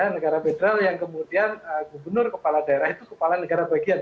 negara federal yang kemudian gubernur kepala daerah itu kepala negara bagian